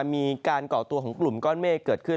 มีการก่อตัวของกลุ่มก้อนเมฆเกิดขึ้น